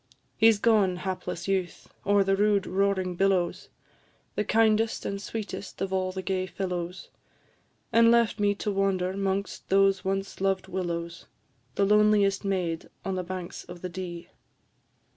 He 's gone, hapless youth! o'er the rude roaring billows, The kindest and sweetest of all the gay fellows, And left me to wander 'mongst those once loved willows, The loneliest maid on the banks of the Dee.